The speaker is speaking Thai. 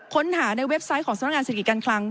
ค้นหาในเว็บไซต์ของสำนักงานเศรษฐกิจการคลัง